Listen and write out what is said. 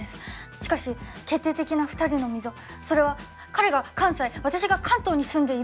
しかし決定的な２人の溝それは彼が関西私が関東に住んでいるという距離的な問題です。